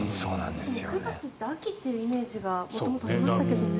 ９月って秋というイメージが元々ありましたけどね。